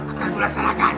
akan saya beri saran